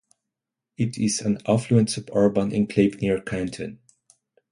It is an affluent suburban enclave near Canton.